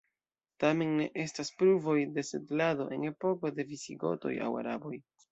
Tamen ne estas pruvoj de setlado en epoko de visigotoj aŭ araboj.